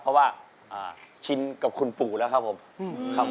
เพราะว่าชินกับคุณปู่แล้วครับผมครับ